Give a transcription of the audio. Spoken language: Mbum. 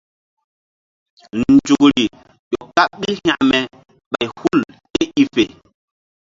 Nzukri ƴo kaɓ ɓil hekme ɓay hul ké i fe.